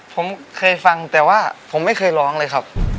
ผมเคยฟังแต่ว่าผมไม่เคยร้องเลยครับ